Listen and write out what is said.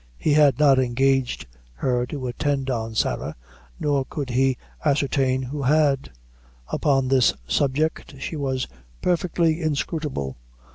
He had not engaged her to attend on Sarah, nor could he ascertain who had. Upon this subject she was perfectly inscrutable.